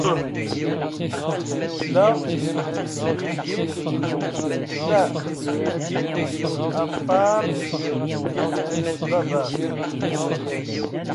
ⵍⴰ ⵉⵙⵡⵉⵏⴳⵉⵎ ⴰⵟⵟⴰⵚ ⴳ ⴱⴰⴱⴰⵙ.